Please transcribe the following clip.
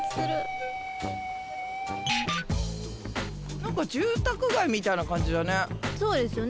何か住宅街みたいな感じだね。